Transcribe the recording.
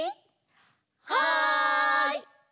はい！